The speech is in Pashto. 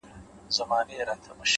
پوهه د غلط فهمۍ رڼا له منځه وړي.!